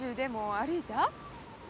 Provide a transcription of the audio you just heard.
歩いた。